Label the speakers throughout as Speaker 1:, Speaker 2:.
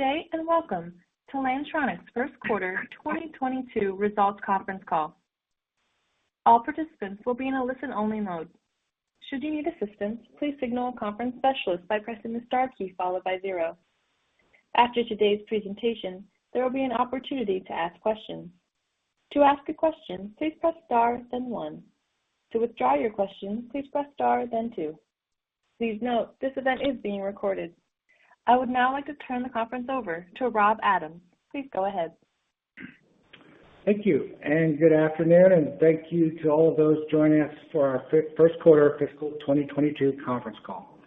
Speaker 1: Good day, and welcome to Lantronix Q1 2022 Results Conference Call. All participants will be in a listen-only mode. Should you need assistance, please signal a conference specialist by pressing the star key followed by zero. After today's presentation, there will be an opportunity to ask questions. To ask a question, please press star, then one. To withdraw your question, please press star, then two. Please note, this event is being recorded. I would now like to turn the conference over to Rob Adams. Please go ahead.
Speaker 2: Thank you, and good afternoon, and thank you to all of those joining us for our Q1 Fiscal 2022 Conference Call.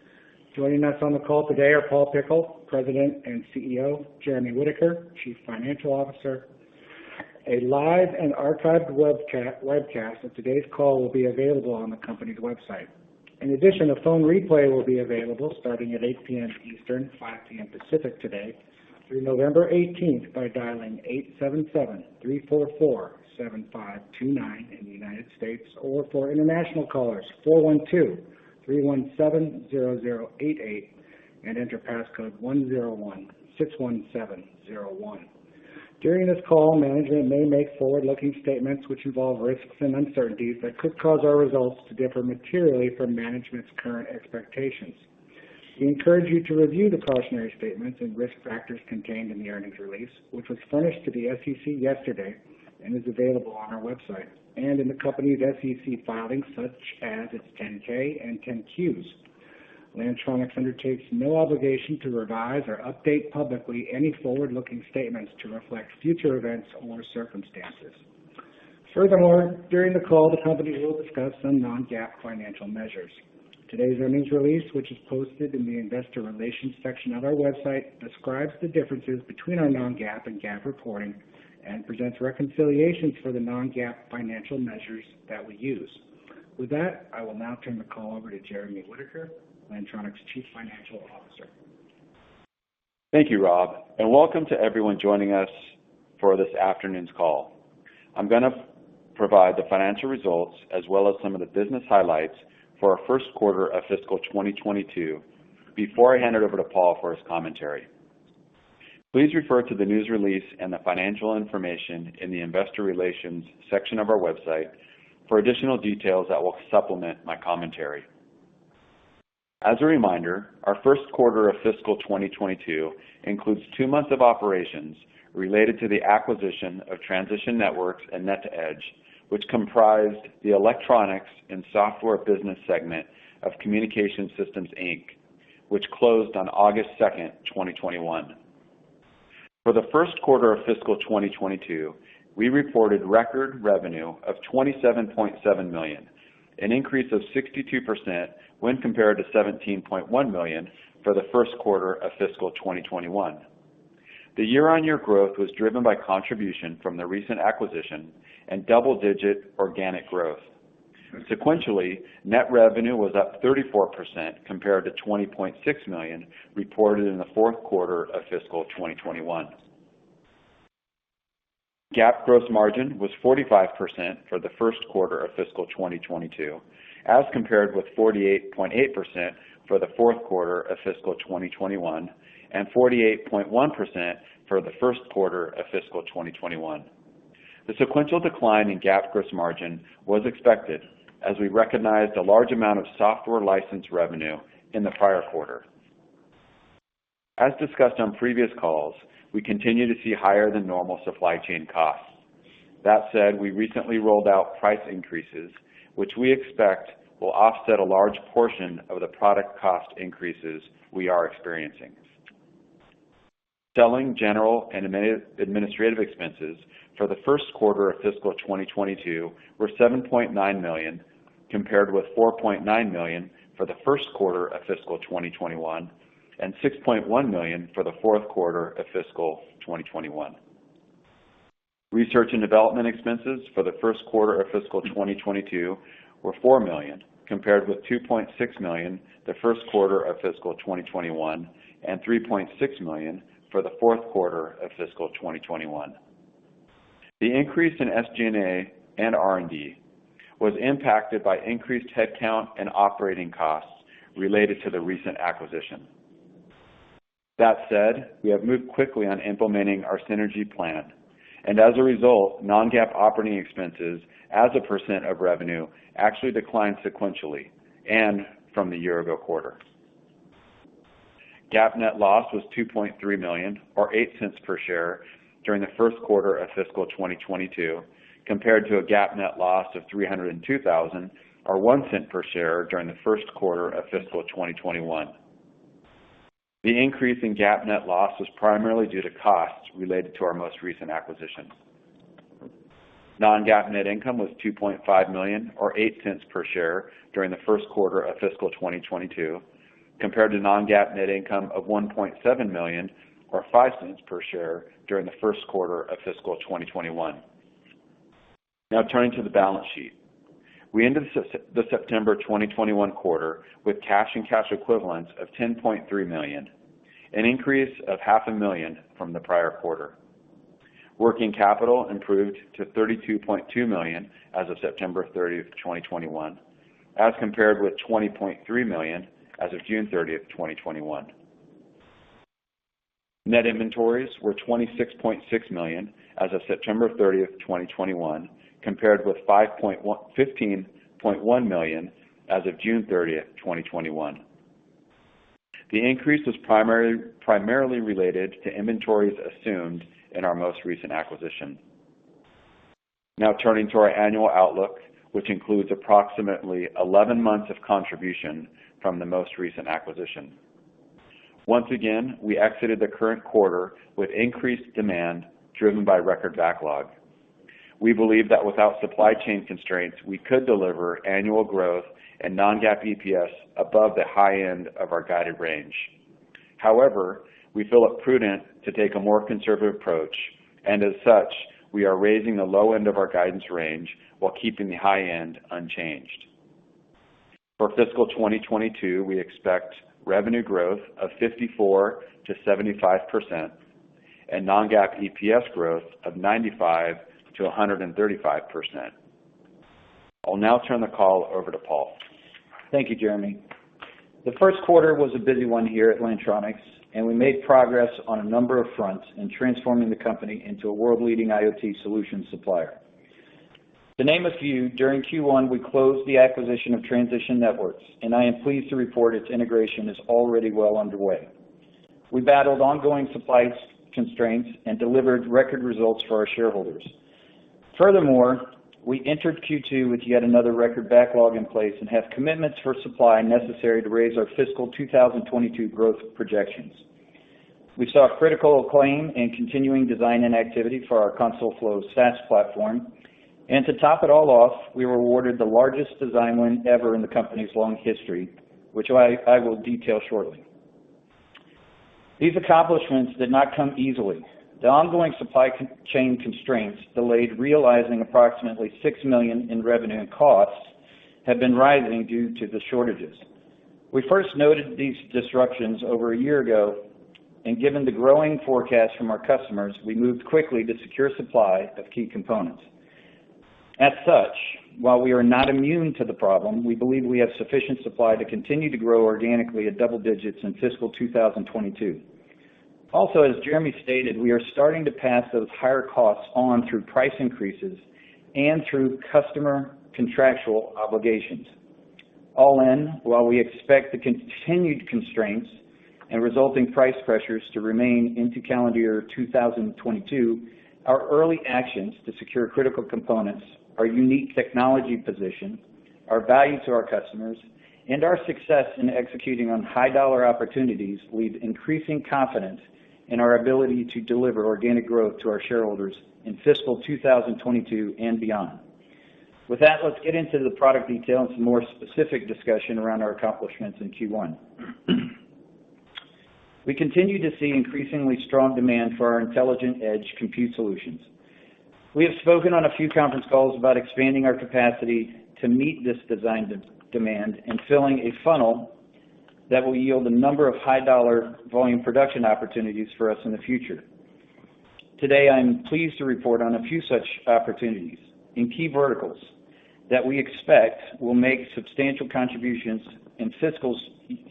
Speaker 2: Joining us on the call today are Paul Pickle, President and CEO, Jeremy Whitaker, Chief Financial Officer. A live and archived webcast of today's call will be available on the company's website. In addition, a phone replay will be available starting at 8:00 P.M. Eastern, 5:00 P.M. Pacific today through November 18 by dialing 877-344-7529 in the United States, or for international callers, 412-317-0088 and enter passcode 10161701. During this call, management may make forward-looking statements which involve risks and uncertainties that could cause our results to differ materially from management's current expectations. We encourage you to review the cautionary statements and risk factors contained in the earnings release, which was furnished to the SEC yesterday and is available on our website, and in the company's SEC filings such as at 10-K and 10-Qs. Lantronix undertakes no obligation to revise or update publicly any forward-looking statements to reflect future events or circumstances. Furthermore, during the call, the company will discuss some non-GAAP financial measures. Today's earnings release, which is posted in the investor relations section of our website, describes the differences between our non-GAAP and GAAP reporting and presents reconciliations for the non-GAAP financial measures that we use. With that, I will now turn the call over to Jeremy Whitaker, Lantronix's Chief Financial Officer.
Speaker 3: Thank you, Rob, and welcome to everyone joining us for this afternoon's call. I'm gonna provide the financial results as well as some of the business highlights for our first quarter of fiscal 2022 before I hand it over to Paul for his commentary. Please refer to the news release and the financial information in the investor relations section of our website for additional details that will supplement my commentary. As a reminder, our first quarter of fiscal 2022 includes two months of operations related to the acquisition of Transition Networks and Net2Edge, which comprised the electronics and software business segment of Communications Systems, Inc., which closed on August 2, 2021. For the first quarter of fiscal 2022, we reported record revenue of $27.7 million, an increase of 62% when compared to $17.1 million for the first quarter of fiscal 2021. The year-on-year growth was driven by contribution from the recent acquisition and double-digit organic growth. Sequentially, net revenue was up 34% compared to $20.6 million reported in the fourth quarter of fiscal 2021. GAAP gross margin was 45% for the first quarter of fiscal 2022 as compared with 48.8% for the fourth quarter of fiscal 2021 and 48.1% for the first quarter of fiscal 2021. The sequential decline in GAAP gross margin was expected as we recognized a large amount of software license revenue in the prior quarter. As discussed on previous calls, we continue to see higher than normal supply chain costs. That said, we recently rolled out price increases, which we expect will offset a large portion of the product cost increases we are experiencing. Selling, general, and administrative expenses for the first quarter of fiscal 2022 were $7.9 million, compared with $4.9 million for the first quarter of fiscal 2021, and $6.1 million for the fourth quarter of fiscal 2021. Research and development expenses for the first quarter of fiscal 2022 were $4 million, compared with $2.6 million for the first quarter of fiscal 2021, and $3.6 million for the fourth quarter of fiscal 2021. The increase in SG&A and R&D was impacted by increased headcount and operating costs related to the recent acquisition. That said, we have moved quickly on implementing our synergy plan and as a result, non-GAAP operating expenses as a percent of revenue actually declined sequentially and from the year ago quarter. GAAP net loss was $2.3 million or $0.08 per share during the first quarter of fiscal 2022, compared to a GAAP net loss of $302 thousand or $0.01 per share during the first quarter of fiscal 2021. The increase in GAAP net loss was primarily due to costs related to our most recent acquisition. Non-GAAP net income was $2.5 million or $0.08 per share during the first quarter of fiscal 2022, compared to non-GAAP net income of $1.7 million or $0.05 per share during the first quarter of fiscal 2021. Now turning to the balance sheet. We ended the September 2021 quarter with cash and cash equivalents of $10.3 million, an increase of half a million from the prior quarter. Working capital improved to $32.2 million as of September 30, 2021, as compared with $20.3 million as of June 30, 2021. Net inventories were $26.6 million as of September 30, 2021, compared with $15.1 million as of June 30, 2021. The increase was primarily related to inventories assumed in our most recent acquisition. Now turning to our annual outlook, which includes approximately 11 months of contribution from the most recent acquisition. Once again, we exited the current quarter with increased demand driven by record backlog. We believe that without supply chain constraints, we could deliver annual growth and non-GAAP EPS above the high end of our guided range. However, we feel it prudent to take a more conservative approach, and as such, we are raising the low end of our guidance range while keeping the high end unchanged. For fiscal 2022, we expect revenue growth of 54%-75% and non-GAAP EPS growth of 95%-135%. I'll now turn the call over to Paul.
Speaker 4: Thank you, Jeremy. The first quarter was a busy one here at Lantronix, and we made progress on a number of fronts in transforming the company into a world-leading IoT solution supplier. To name a few, during Q1, we closed the acquisition of Transition Networks, and I am pleased to report its integration is already well underway. We battled ongoing supply constraints and delivered record results for our shareholders. Furthermore, we entered Q2 with yet another record backlog in place and have commitments for supply necessary to raise our fiscal 2022 growth projections. We saw critical acclaim and continuing design-in activity for our ConsoleFlow SaaS platform. To top it all off, we were awarded the largest design win ever in the company's long history, which I will detail shortly. These accomplishments did not come easily. The ongoing supply chain constraints delayed realizing approximately $6 million in revenue, and costs have been rising due to the shortages. We first noted these disruptions over a year ago, and given the growing forecast from our customers, we moved quickly to secure supply of key components. As such, while we are not immune to the problem, we believe we have sufficient supply to continue to grow organically at double digits in fiscal 2022. Also, as Jeremy stated, we are starting to pass those higher costs on through price increases and through customer contractual obligations. All in, while we expect the continued constraints and resulting price pressures to remain into calendar year 2022, our early actions to secure critical components, our unique technology position, our value to our customers, and our success in executing on high-dollar opportunities leave increasing confidence in our ability to deliver organic growth to our shareholders in fiscal 2022 and beyond. With that, let's get into the product detail and some more specific discussion around our accomplishments in Q1. We continue to see increasingly strong demand for our intelligent edge compute solutions. We have spoken on a few conference calls about expanding our capacity to meet this design demand and filling a funnel that will yield a number of high-dollar volume production opportunities for us in the future. Today, I'm pleased to report on a few such opportunities in key verticals that we expect will make substantial contributions in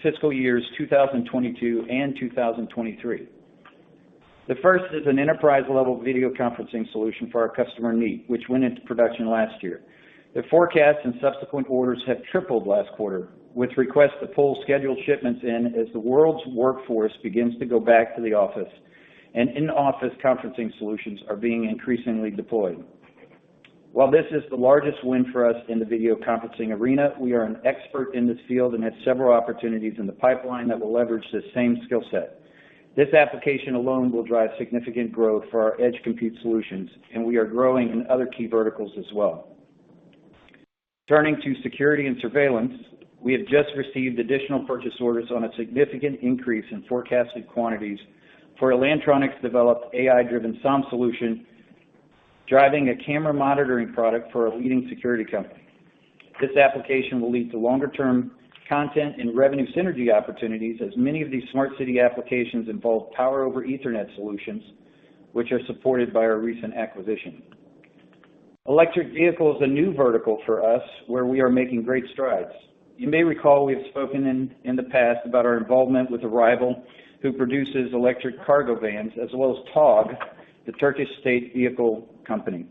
Speaker 4: fiscal years 2022 and 2023. The first is an enterprise-level video conferencing solution for our customer, Neat, which went into production last year. The forecast and subsequent orders have tripled last quarter, which requests to pull scheduled shipments in as the world's workforce begins to go back to the office, and in-office conferencing solutions are being increasingly deployed. While this is the largest win for us in the video conferencing arena, we are an expert in this field and have several opportunities in the pipeline that will leverage this same skill set. This application alone will drive significant growth for our edge compute solutions, and we are growing in other key verticals as well. Turning to security and surveillance, we have just received additional purchase orders on a significant increase in forecasted quantities for a Lantronix-developed AI-driven SOM solution, driving a camera monitoring product for a leading security company. This application will lead to longer-term content and revenue synergy opportunities as many of these smart city applications involve Power over Ethernet solutions, which are supported by our recent acquisition. Electric vehicle is a new vertical for us where we are making great strides. You may recall we've spoken in the past about our involvement with Arrival, who produces electric cargo vans, as well as Togg, the Turkish state vehicle company.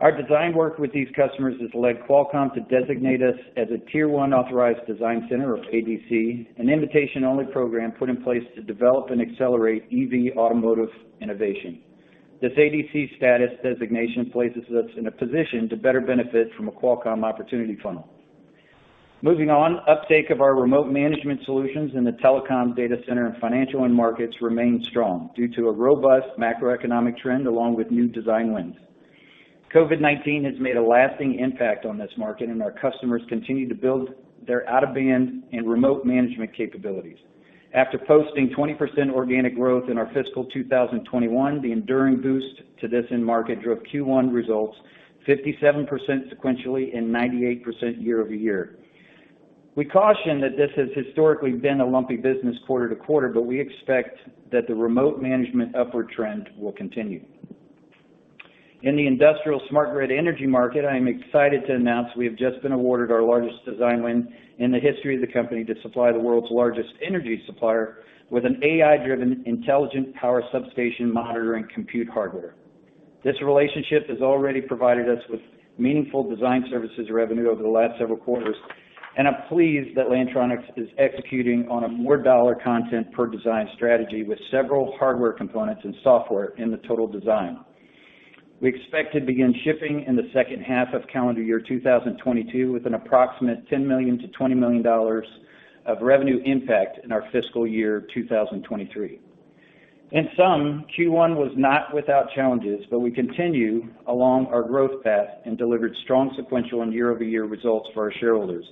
Speaker 4: Our design work with these customers has led Qualcomm to designate us as a tier one authorized design center or ADC, an invitation-only program put in place to develop and accelerate EV automotive innovation. This ADC status designation places us in a position to better benefit from a Qualcomm opportunity funnel. Moving on. Uptake of our remote management solutions in the telecom data center and financial end markets remain strong due to a robust macroeconomic trend along with new design wins. COVID-19 has made a lasting impact on this market, and our customers continue to build their out-of-band and remote management capabilities. After posting 20% organic growth in our fiscal 2021, the enduring boost to this end market drove Q1 results 57% sequentially and 98% year-over-year. We caution that this has historically been a lumpy business quarter-to-quarter, but we expect that the remote management upward trend will continue. In the industrial smart grid energy market, I am excited to announce we have just been awarded our largest design win in the history of the company to supply the world's largest energy supplier with an AI-driven intelligent power substation monitoring compute hardware. This relationship has already provided us with meaningful design services revenue over the last several quarters, and I'm pleased that Lantronix is executing on a more dollar content per design strategy with several hardware components and software in the total design. We expect to begin shipping in the second half of calendar year 2022, with an approximate $10 million-$20 million of revenue impact in our fiscal year 2023. In sum, Q1 was not without challenges, but we continue along our growth path and delivered strong sequential and year-over-year results for our shareholders.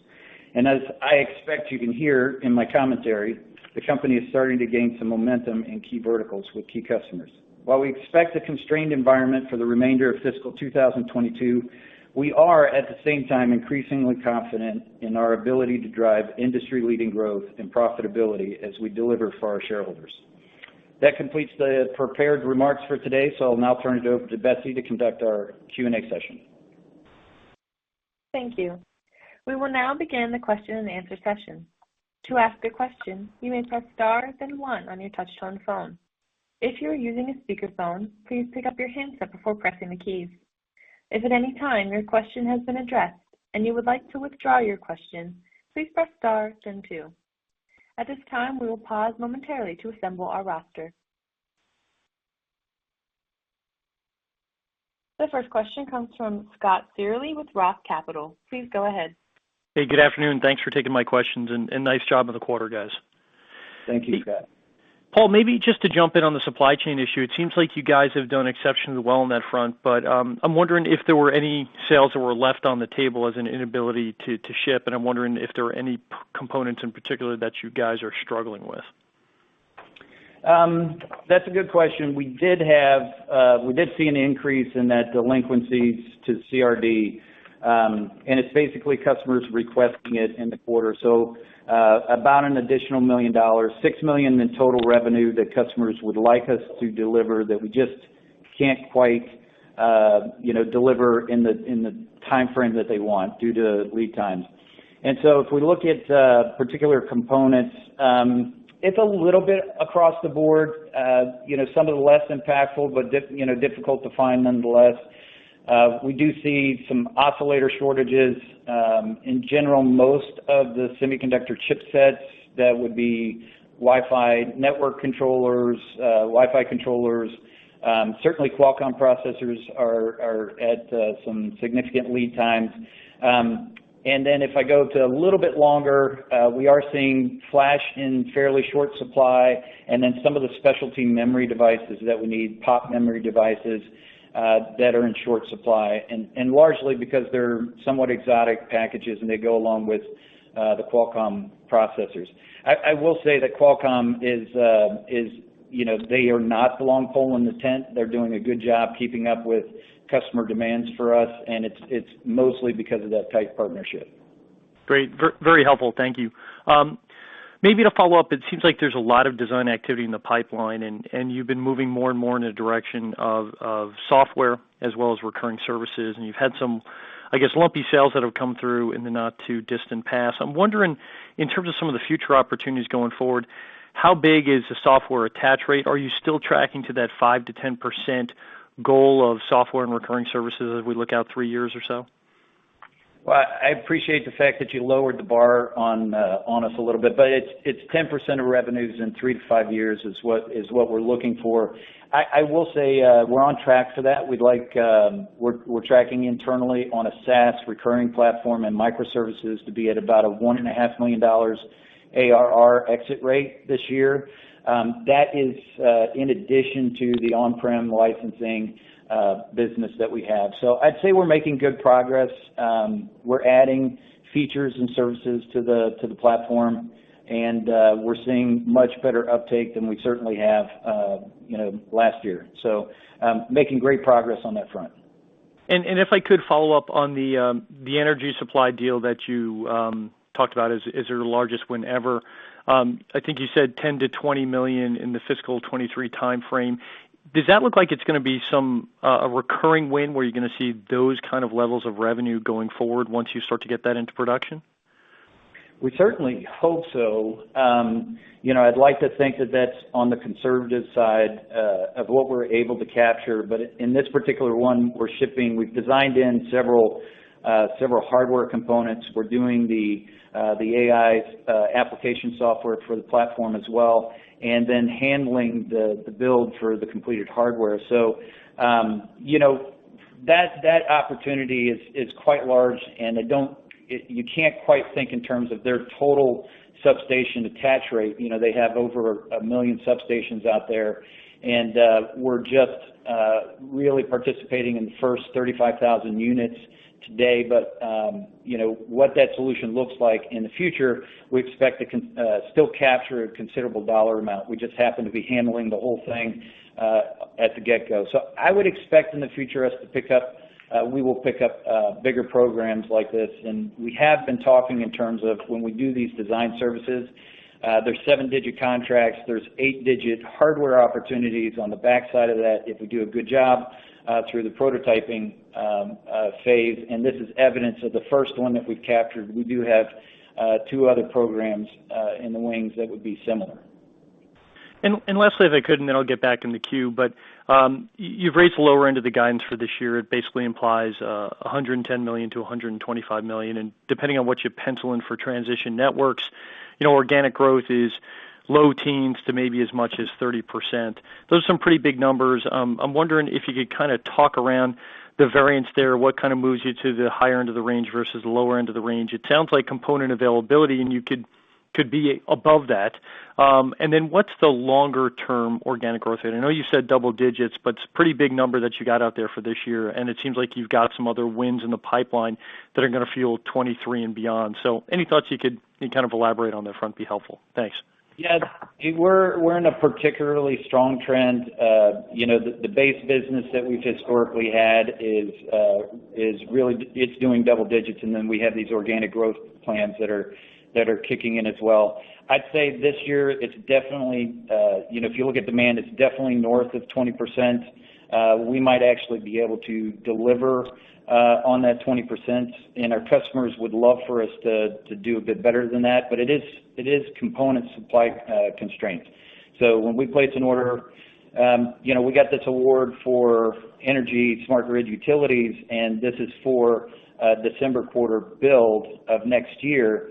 Speaker 4: I expect you can hear in my commentary, the company is starting to gain some momentum in key verticals with key customers. While we expect a constrained environment for the remainder of fiscal 2022, we are at the same time increasingly confident in our ability to drive industry-leading growth and profitability as we deliver for our shareholders. That completes the prepared remarks for today. I'll now turn it over to Betsy to conduct our Q&A session.
Speaker 1: Thank you. We will now begin the question and answer session. To ask a question, you may press star then one on your touchtone phone. If you are using a speakerphone, please pick up your handset before pressing the keys. If at any time your question has been addressed and you would like to withdraw your question, please press star then two. At this time, we will pause momentarily to assemble our roster. The first question comes from Scott Searle with Roth Capital. Please go ahead.
Speaker 5: Hey, good afternoon. Thanks for taking my questions and nice job on the quarter, guys.
Speaker 4: Thank you, Scott.
Speaker 5: Paul, maybe just to jump in on the supply chain issue, it seems like you guys have done exceptionally well on that front, but, I'm wondering if there were any sales that were left on the table as an inability to ship, and I'm wondering if there are any components in particular that you guys are struggling with.
Speaker 4: That's a good question. We did see an increase and that delinquencies to CRD, and it's basically customers requesting it in the quarter. About an additional $1 million, $6 million in total revenue that customers would like us to deliver that we just can't quite, you know, deliver in the timeframe that they want due to lead times. If we look at particular components, it's a little bit across the board. You know, some of the less impactful, but, you know, difficult to find nonetheless. We do see some oscillator shortages. In general, most of the semiconductor chipsets, that would be Wi-Fi network controllers, Wi-Fi controllers, certainly Qualcomm processors are at some significant lead times. If I go a little bit longer, we are seeing Flash in fairly short supply and then some of the specialty memory devices that we need, PoP memory devices, that are in short supply and largely because they're somewhat exotic packages, and they go along with the Qualcomm processors. I will say that Qualcomm is, you know, they are not the long pole in the tent. They're doing a good job keeping up with customer demands for us, and it's mostly because of that tight partnership.
Speaker 5: Great. Very helpful. Thank you. Maybe to follow up, it seems like there's a lot of design activity in the pipeline and you've been moving more and more in a direction of software as well as recurring services. You've had some, I guess, lumpy sales that have come through in the not too distant past. I'm wondering, in terms of some of the future opportunities going forward, how big is the software attach rate? Are you still tracking to that 5%-10% goal of software and recurring services as we look out three years or so?
Speaker 4: Well, I appreciate the fact that you lowered the bar on us a little bit, but it's 10% of revenues in 3-5 years is what we're looking for. I will say, we're on track for that. We're tracking internally on a SaaS recurring platform and microservices to be at about a $1.5 million ARR exit rate this year. That is in addition to the on-prem licensing business that we have. So I'd say we're making good progress. We're adding features and services to the platform, and we're seeing much better uptake than we certainly have, you know, last year. So, making great progress on that front.
Speaker 5: If I could follow up on the energy supply deal that you talked about as your largest win ever. I think you said $10 million-$20 million in the fiscal 2023 timeframe. Does that look like it's gonna be a recurring win where you're gonna see those kind of levels of revenue going forward once you start to get that into production?
Speaker 4: We certainly hope so. You know, I'd like to think that that's on the conservative side of what we're able to capture, but in this particular one we're shipping, we've designed in several hardware components. We're doing the AI's application software for the platform as well, and then handling the build for the completed hardware. You know, that opportunity is quite large and you can't quite think in terms of their total substation attach rate. You know, they have over a million substations out there, and we're just really participating in the first 35,000 units today. You know, what that solution looks like in the future, we expect to still capture a considerable dollar amount. We just happen to be handling the whole thing at the get-go. I would expect in the future we will pick up bigger programs like this. We have been talking in terms of when we do these design services, there's seven digit contracts, there's eight digit hardware opportunities on the backside of that if we do a good job through the prototyping phase, and this is evidence of the first one that we've captured. We do have two other programs in the wings that would be similar.
Speaker 5: Lastly, if I could, and then I'll get back in the queue. You've raised the lower end of the guidance for this year. It basically implies $110 million-$125 million. Depending on what you pencil in for Transition Networks, you know, organic growth is low teens to maybe as much as 30%. Those are some pretty big numbers. I'm wondering if you could kind of talk around the variance there, what kind of moves you to the higher end of the range versus the lower end of the range. It sounds like component availability, and you could be above that. What's the longer term organic growth rate? I know you said double digits, but it's a pretty big number that you got out there for this year, and it seems like you've got some other wins in the pipeline that are gonna fuel 2023 and beyond. Any thoughts you could kind of elaborate on that front would be helpful. Thanks.
Speaker 4: Yeah. We're in a particularly strong trend. You know, the base business that we've historically had is really doing double digits, and then we have these organic growth plans that are kicking in as well. I'd say this year it's definitely. You know, if you look at demand, it's definitely north of 20%. We might actually be able to deliver on that 20%, and our customers would love for us to do a bit better than that. But it is component supply constraint. So when we place an order, you know, we got this award for energy smart grid utilities, and this is for a December quarter build of next year.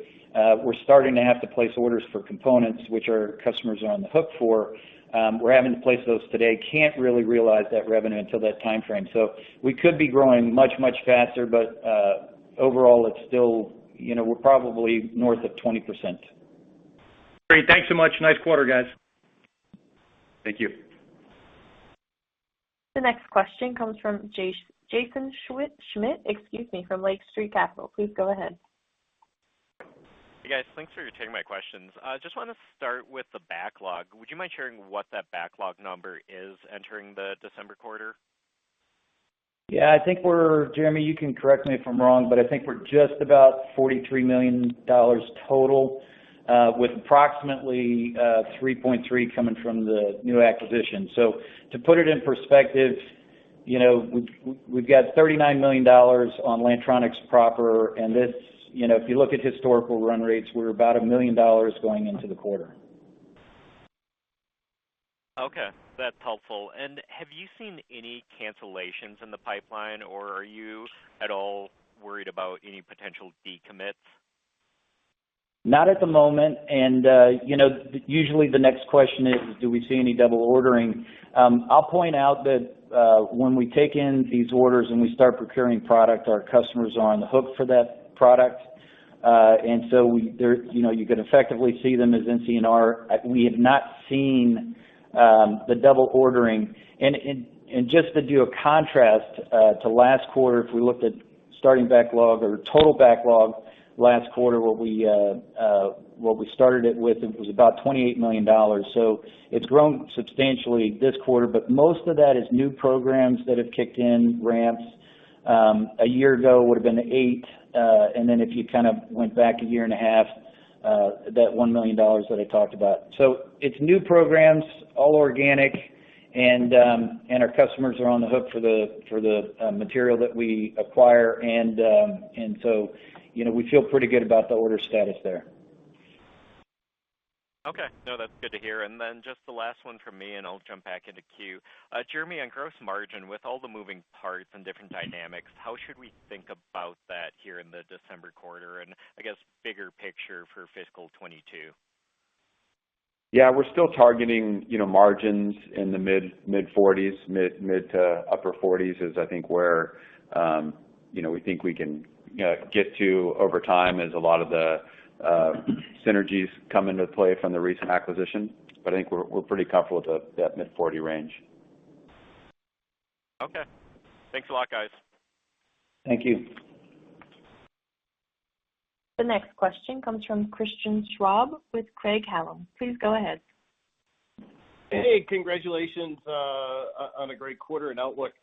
Speaker 4: We're starting to have to place orders for components which our customers are on the hook for. We're having to place those today, can't really realize that revenue until that timeframe. We could be growing much, much faster, but overall, it's still, you know, we're probably north of 20%.
Speaker 5: Great. Thanks so much. Nice quarter, guys.
Speaker 3: Thank you.
Speaker 1: The next question comes from Jaeson Schmidt, excuse me, from Lake Street Capital. Please go ahead.
Speaker 6: Hey, guys. Thanks for taking my questions. Just wanna start with the backlog. Would you mind sharing what that backlog number is entering the December quarter?
Speaker 4: Yeah, I think we're, Jeremy, you can correct me if I'm wrong, but I think we're just about $43 million total, with approximately 3.3 coming from the new acquisition. To put it in perspective, you know, we've got $39 million on Lantronix proper, and it's, you know, if you look at historical run rates, we're about $1 million going into the quarter.
Speaker 6: Okay, that's helpful. Have you seen any cancellations in the pipeline, or are you at all worried about any potential decommits?
Speaker 4: Not at the moment. You know, usually the next question is, do we see any double ordering? I'll point out that when we take in these orders and we start procuring product, our customers are on the hook for that product. You know, you could effectively see them as NCNR. We have not seen the double ordering. Just to do a contrast to last quarter, if we looked at starting backlog or total backlog last quarter, what we started with was about $28 million. It's grown substantially this quarter, but most of that is new programs that have kicked in ramps. A year ago, it would have been $8 million. If you kind of went back a year and a half, that $1 million that I talked about. It's new programs, all organic, and our customers are on the hook for the material that we acquire, and so, you know, we feel pretty good about the order status there.
Speaker 6: Okay. No, that's good to hear. Just the last one from me, and I'll jump back into queue. Jeremy, on gross margin, with all the moving parts and different dynamics, how should we think about that here in the December quarter and I guess bigger picture for fiscal 2022?
Speaker 3: Yeah. We're still targeting, you know, margins in the mid-40s%. Mid- to upper 40s% is, I think, where, you know, we think we can, you know, get to over time as a lot of the synergies come into play from the recent acquisition. But I think we're pretty comfortable with that mid-40s% range.
Speaker 6: Okay. Thanks a lot, guys.
Speaker 4: Thank you.
Speaker 1: The next question comes from Christian Schwab with Craig-Hallum. Please go ahead.
Speaker 7: Hey, congratulations on a great quarter and outlook.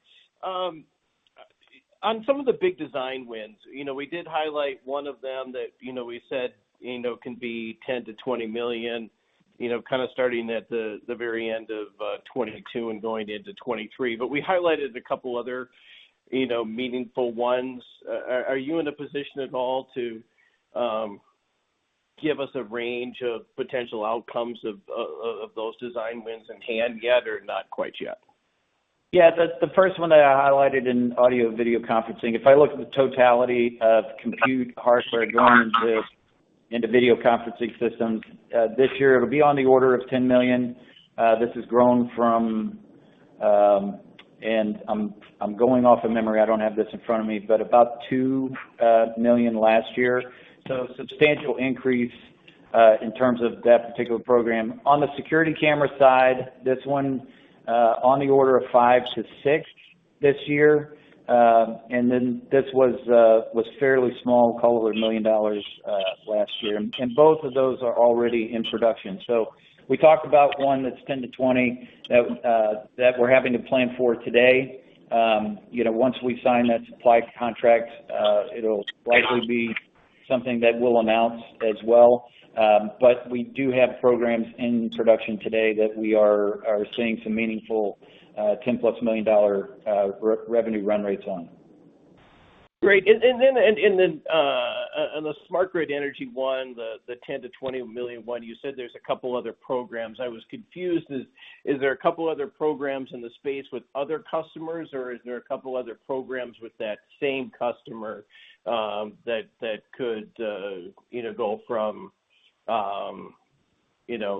Speaker 7: On some of the big design wins, you know, we did highlight one of them that, you know, we said, you know, can be $10 million-$20 million, you know, kind of starting at the very end of 2022 and going into 2023. We highlighted a couple other meaningful ones. Are you in a position at all to give us a range of potential outcomes of those design wins in hand yet, or not quite yet?
Speaker 4: Yeah. The first one that I highlighted in audio-video conferencing, if I look at the totality of compute hardware going into video conferencing systems this year, it'll be on the order of 10 million. This has grown from and I'm going off of memory. I don't have this in front of me, but about 2 million last year. Substantial increase in terms of that particular program. On the security camera side, this one on the order of 5-6 this year. This was fairly small, a couple of million dollars last year. Both of those are already in production. We talked about one that's 10-20 that we're having to plan for today. You know, once we sign that supply contract, it'll likely be something that we'll announce as well. We do have programs in production today that we are seeing some meaningful, $10+ million revenue run rates on.
Speaker 7: Great. On the smart grid energy one, the $10 million-$20 million one, you said there's a couple other programs. I was confused. Is there a couple other programs in the space with other customers, or is there a couple other programs with that same customer, that could, you know, go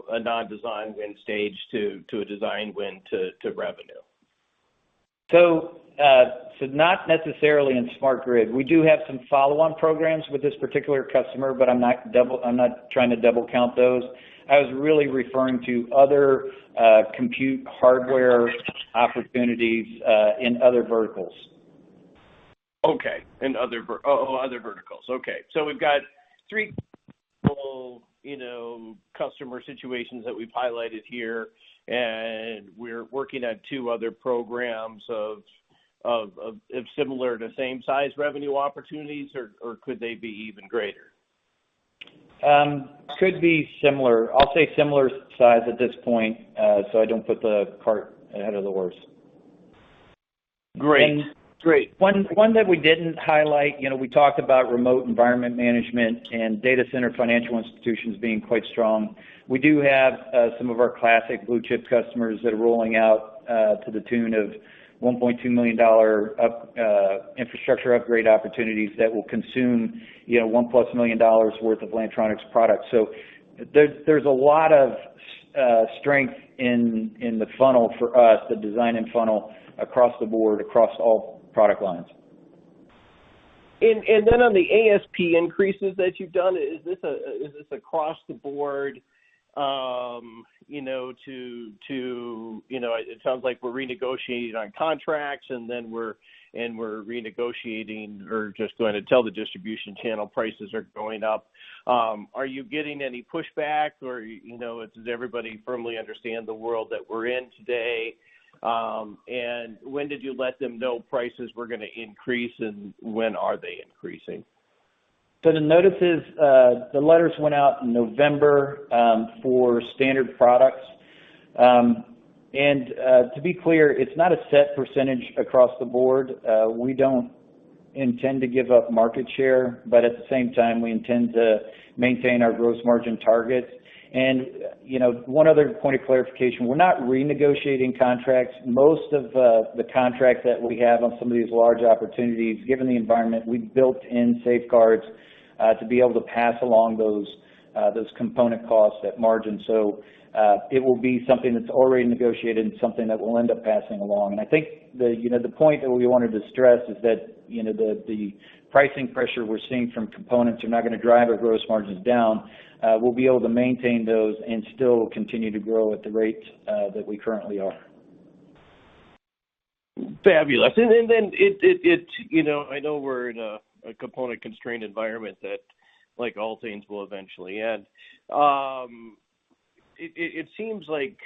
Speaker 7: from a non-design win stage to a design win to revenue?
Speaker 4: Not necessarily in smart grid. We do have some follow-on programs with this particular customer, but I'm not trying to double count those. I was really referring to other compute hardware opportunities in other verticals.
Speaker 7: Okay. In other verticals. Okay. We've got three possible, you know, customer situations that we've highlighted here, and we're working on two other programs of similar to same size revenue opportunities or could they be even greater?
Speaker 4: Could be similar. I'll say similar size at this point, so I don't put the cart ahead of the horse.
Speaker 7: Great.
Speaker 4: One that we didn't highlight, you know, we talked about remote environment management and data center financial institutions being quite strong. We do have some of our classic blue chip customers that are rolling out to the tune of $1.2 million infrastructure upgrade opportunities that will consume, you know, $1+ million worth of Lantronix product. There's a lot of strength in the funnel for us, the design-in funnel across the board, across all product lines.
Speaker 7: Then on the ASP increases that you've done, is this across the board? You know, it sounds like we're renegotiating on contracts and then we're renegotiating or just going to tell the distribution channel prices are going up. Are you getting any pushback or, you know, does everybody firmly understand the world that we're in today? When did you let them know prices were gonna increase, and when are they increasing?
Speaker 4: The notices, the letters went out in November for standard products. To be clear, it's not a set percentage across the board. We don't intend to give up market share, but at the same time, we intend to maintain our gross margin targets. You know, one other point of clarification, we're not renegotiating contracts. Most of the contracts that we have on some of these large opportunities, given the environment, we built in safeguards to be able to pass along those component costs at margin. It will be something that's already negotiated and something that we'll end up passing along. I think you know, the point that we wanted to stress is that, you know, the pricing pressure we're seeing from components are not gonna drive our gross margins down. We'll be able to maintain those and still continue to grow at the rate that we currently are.
Speaker 7: Fabulous. Then it. You know, I know we're in a component constrained environment that, like all things, will eventually end. It seems like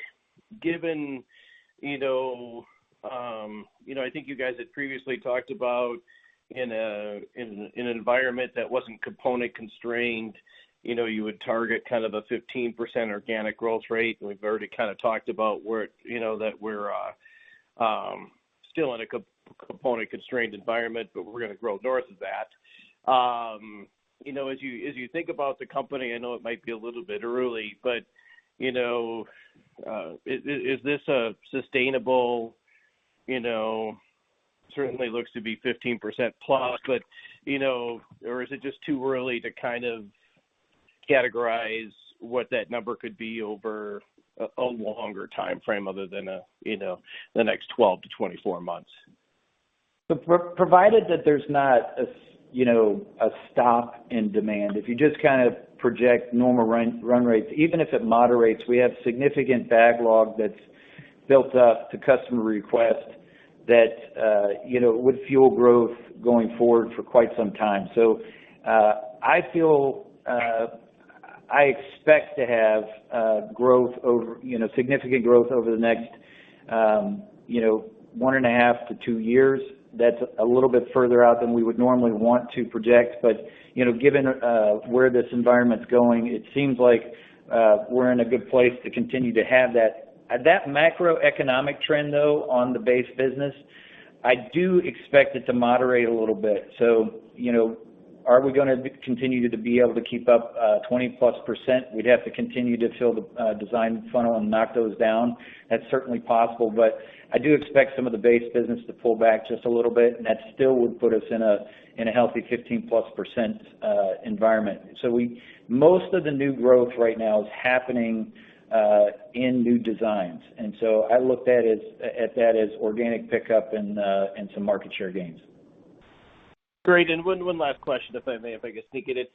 Speaker 7: given, you know, you know, I think you guys had previously talked about in an environment that wasn't component constrained, you know, you would target kind of a 15% organic growth rate. We've already kind of talked about where, you know, that we're still in a component constrained environment, but we're gonna grow north of that. You know, as you think about the company, I know it might be a little bit early, but, you know, is this a sustainable, you know, certainly looks to be 15% plus, but, you know. Is it just too early to kind of categorize what that number could be over a longer timeframe other than you know the next 12-24 months?
Speaker 4: Provided that there's not a stop in demand, if you just kind of project normal run rates, even if it moderates, we have significant backlog that's built up to customer requests that you know would fuel growth going forward for quite some time. I feel I expect to have growth over you know significant growth over the next 1.5-2 years. That's a little bit further out than we would normally want to project, but you know given where this environment's going, it seems like we're in a good place to continue to have that. That macroeconomic trend, though, on the base business, I do expect it to moderate a little bit. You know, are we gonna continue to be able to keep up 20%+? We'd have to continue to fill the design funnel and knock those down. That's certainly possible. I do expect some of the base business to pull back just a little bit, and that still would put us in a healthy 15%+ environment. Most of the new growth right now is happening in new designs, and so I look at that as organic pickup and some market share gains.
Speaker 7: Great. One last question, if I may, if I could sneak it in.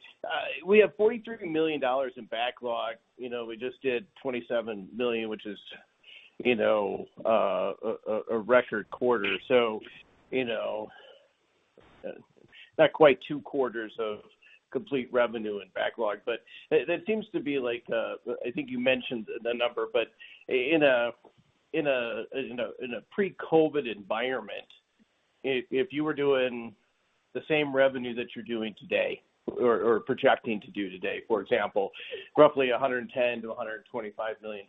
Speaker 7: We have $43 million in backlog. You know, we just did $27 million, which is, you know, a record quarter. You know, not quite two quarters of complete revenue and backlog, but it seems to be like, I think you mentioned the number, but in a pre-COVID environment, if you were doing the same revenue that you're doing today or projecting to do today, for example, roughly $110 million-$125 million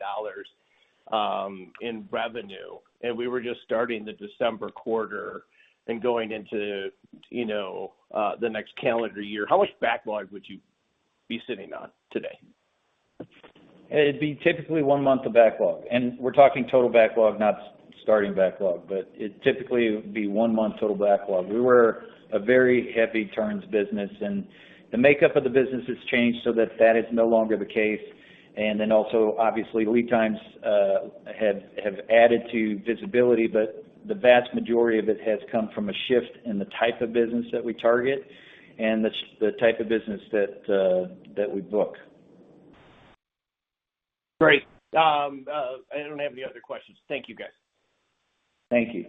Speaker 7: in revenue, and we were just starting the December quarter and going into, you know, the next calendar year, how much backlog would you be sitting on today?
Speaker 4: It'd be typically one month of backlog. We're talking total backlog, not starting backlog. It typically would be one month total backlog. We were a very heavy turns business, and the makeup of the business has changed so that that is no longer the case. Obviously, lead times have added to visibility, but the vast majority of it has come from a shift in the type of business that we target and the type of business that we book.
Speaker 7: Great. I don't have any other questions. Thank you, guys.
Speaker 4: Thank you.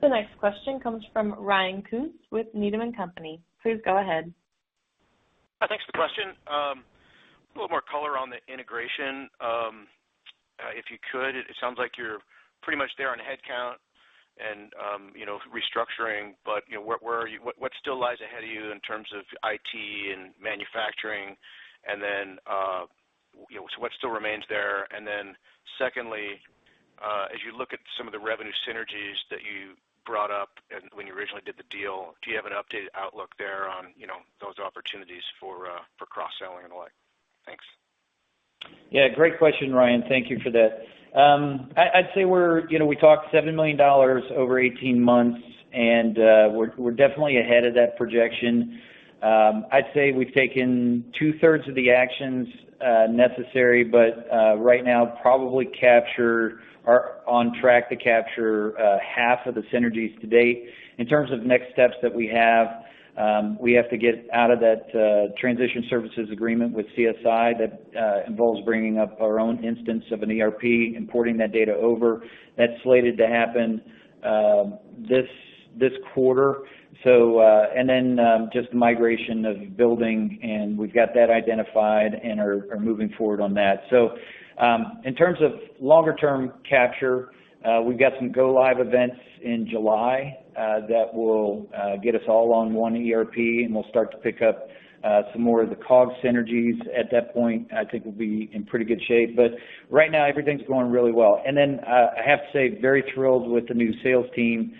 Speaker 1: The next question comes from Ryan Koontz with Needham & Company. Please go ahead.
Speaker 8: Thanks for the question. A little more color on the integration, if you could. It sounds like you're pretty much there on headcount and, you know, restructuring. You know, what still lies ahead of you in terms of IT and manufacturing? And then, you know, so what still remains there? Then secondly, as you look at some of the revenue synergies that you brought up and when you originally did the deal, do you have an updated outlook there on, you know, those opportunities for cross-selling and the like? Thanks.
Speaker 4: Yeah, great question, Ryan. Thank you for that. I'd say we're, you know, we talked $7 million over 18 months, and we're definitely ahead of that projection. I'd say we've taken two-thirds of the actions necessary, but right now probably capture or on track to capture half of the synergies to date. In terms of next steps that we have, we have to get out of that transition services agreement with CSI that involves bringing up our own instance of an ERP, importing that data over. That's slated to happen this quarter and then just migration of the building, and we've got that identified and are moving forward on that. In terms of longer term capture, we've got some go live events in July that will get us all on one ERP, and we'll start to pick up some more of the COGS synergies. At that point, I think we'll be in pretty good shape. But right now, everything's going really well. I have to say, very thrilled with the new sales team.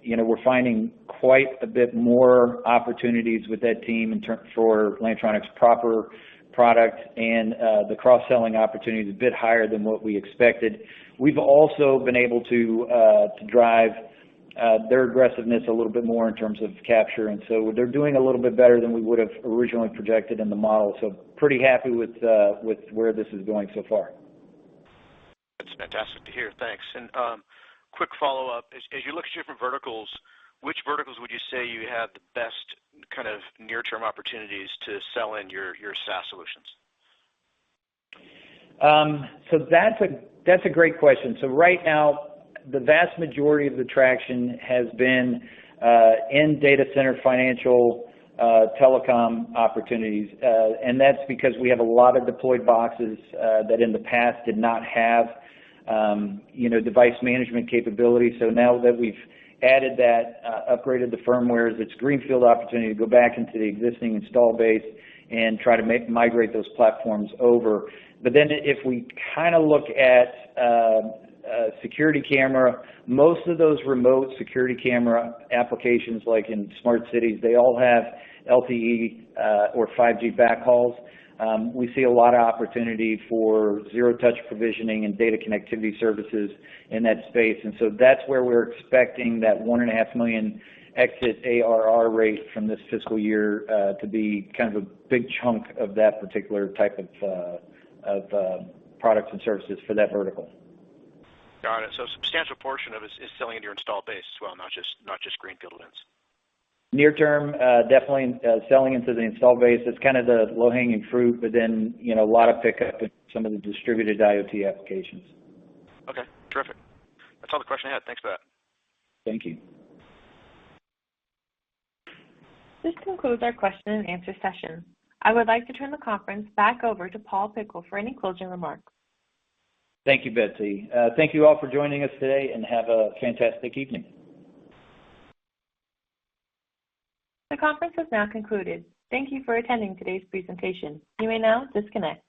Speaker 4: You know, we're finding quite a bit more opportunities with that team for Lantronix proper product and the cross-selling opportunity is a bit higher than what we expected. We've also been able to to drive their aggressiveness a little bit more in terms of capture, and so they're doing a little bit better than we would have originally projected in the model. Pretty happy with where this is going so far.
Speaker 8: That's fantastic to hear. Thanks. Quick follow-up. As you look at your different verticals, which verticals would you say you have the best kind of near-term opportunities to sell in your SaaS solutions?
Speaker 4: That's a great question. Right now, the vast majority of the traction has been in data center, financial, telecom opportunities. That's because we have a lot of deployed boxes that in the past did not have, you know, device management capability. Now that we've added that, upgraded the firmware, it's greenfield opportunity to go back into the existing install base and try to migrate those platforms over. If we kinda look at security camera, most of those remote security camera applications, like in smart cities, they all have LTE or 5G backhauls. We see a lot of opportunity for zero-touch provisioning and data connectivity services in that space. That's where we're expecting that $1.5 million exit ARR rate from this fiscal year to be kind of a big chunk of that particular type of products and services for that vertical.
Speaker 8: Got it. Substantial portion of it is selling into your installed base as well, not just greenfield wins.
Speaker 4: Near term, definitely, selling into the installed base is kind of the low-hanging fruit, but then, you know, a lot of pickup in some of the distributed IoT applications.
Speaker 8: Okay. Terrific. That's all the questions I had. Thanks for that.
Speaker 4: Thank you.
Speaker 1: This concludes our question and answer session. I would like to turn the conference back over to Paul Pickle for any closing remarks.
Speaker 4: Thank you, Betsy. Thank you all for joining us today, and have a fantastic evening.
Speaker 1: The conference has now concluded. Thank you for attending today's presentation. You may now disconnect.